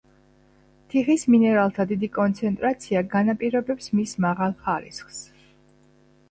თიხის მინერალთა დიდი კონცენტრაცია განაპირობებს მის მაღალ ხარისხს.